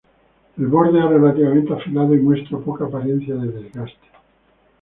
El borde es relativamente afilado, y muestra poca apariencia de desgaste.